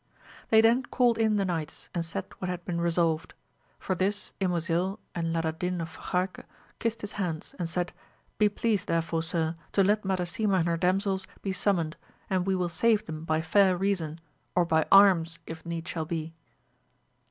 They then called in the knights and said what had been resolved ; for this Ymosil and Ladadin of Fajarque kissed his hands and said. Be pleased therefore sir to let Madasima and her damsels be sum moned, and we will save them by fair reason, or by arms if need shall be.